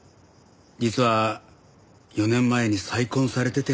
実は４年前に再婚されてて。